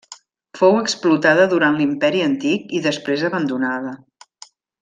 Fou explotada durant l'imperi Antic i després abandonada.